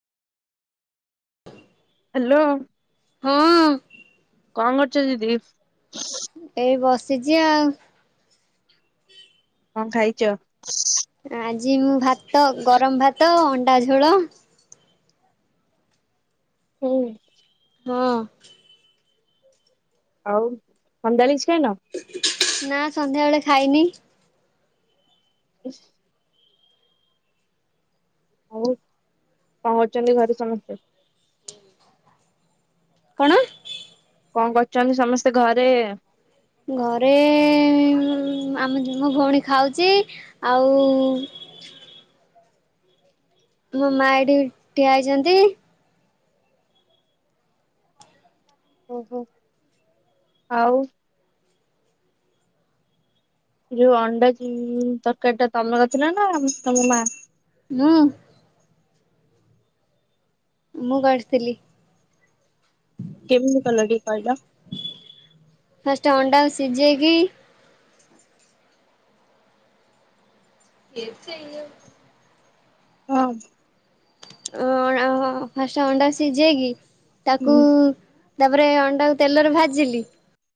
Hello. ହଁ। କଣ କରୁଚ ଦିଦି। ଏଇ ବସ୍ ସିଚି ଆଉ। କଣ ଖାଇଛ? ଆଜି ମୁଁ ଭାତ ଗରମ ଭାତ ଅଣ୍ଡା ଝୋଳ। ହୁଁ। ହଁ। ଆଉ ସନ୍ଧ୍ୟା ବେଳେ କିଛି ଖାଇନ। ନା ସନ୍ଧ୍ୟାବେଳେ ଖାଇନି। [inaudible] ଆଉ କଣ କରୁଛନ୍ତି ଘରେ ସମସ୍ତ। କଣ? କଣ କରୁଛନ୍ତି ସମସ୍ତେ ଘରେ? ଘରେ ଆମେ ମୋ ଭଉଣୀ ଖାଉଛି ଆଉ। ମୋ ମା ଏଇଠି ଠିଆ ହେଇଛନ୍ତି। ଓହୋ ଆଉ। ଯୋଉ ଅଣ୍ଡା ତରକାରୀ ଟା ତମରର ଥିଲା ନା ତମ ମା ହୁଁ। ମୁଁ କରିଥିଲି। କେମିତି କଲ ଟିକେ କହିଲ? ସିଜେଇକି ଏଇତି [inaudible] ହଁ। [inaudible] ଫାଷ୍ଟ୍ ଅଣ୍ଡା ସିଜେଇକି ହଁ ତାକୁ ତାପରେ ତାକୁ ତେଲରେ ଭାଜିଲି